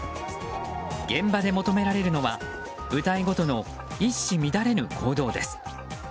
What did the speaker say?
現場で求められるのは部隊ごとの一糸乱れぬ行動です。